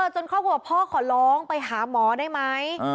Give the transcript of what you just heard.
ครอบครัวพ่อขอร้องไปหาหมอได้ไหม